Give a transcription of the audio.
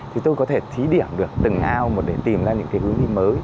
thì tôi có thể thí điểm được từng ao một để tìm ra những cái hướng đi mới